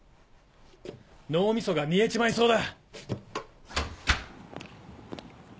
脳みそが煮えちまいそうだ。